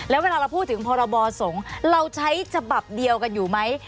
แล้วเวลาเราพูดถึงพรบสงฆ์เราใช้ฉบับเดียวกันอยู่ไหม